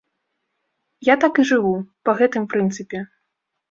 Я так і жыву, па гэтым прынцыпе.